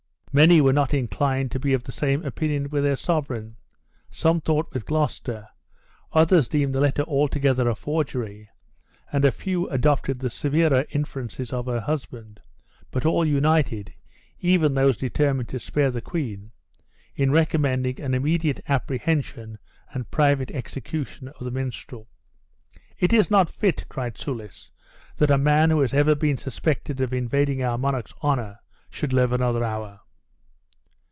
Many were not inclined to be of the same opinion with their sovereign; some thought with Gloucester, others deemed the letter altogether a forgery; and a few adopted the severer inferences of her husband; but all united (even those determined to spare the queen) in recommending an immediate apprehension and private execution of the minstrel. "It is not fit," cried Soulis, "that a man who has ever been suspected of invading our monarch's honor, should live another hour."